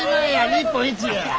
日本一や！